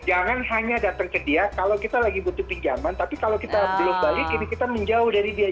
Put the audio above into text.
jangan hanya datang ke dia kalau kita lagi butuh pinjaman tapi kalau kita belum balik ini kita menjauh dari dia